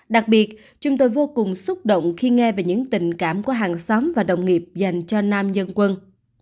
đặc biệt chúng tôi vô cùng xúc động khi nghe về những tình cảm của hàng xóm và đồng nghiệp dành cho nam dân quân